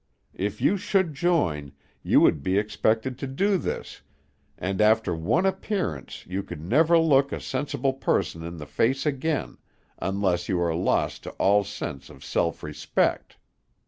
If you should join, you would be expected to do this, and after one appearance you could never look a sensible person in the face again, unless you are lost to all sense of self respect.